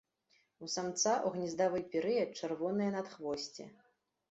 У самца ў гнездавы перыяд чырвонае надхвосце.